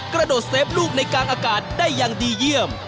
โดเซฟลูกในกลางอากาศได้อย่างดีเยี่ยม